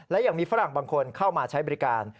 และยังมีฝรั่งบางคนเข้ามาใช้บริการ